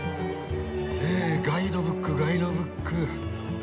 えガイドブックガイドブック。